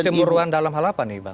kecemburuan dalam hal apa nih bang